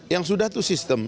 yang sudah itu sistem